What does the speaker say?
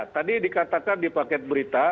tadi dikatakan di paket berita